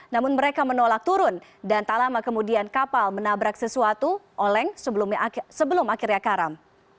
namun mereka menolak turun dan tak lama kemudian kapal menabrak sesuatu oleng sebelum akhirnya karam